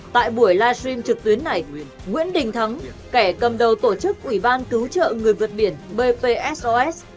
tại buổi livestream trực tuyến này nguyễn đình thắng kẻ cầm đầu tổ chức ủy ban cứu trợ người vượt biển bpsos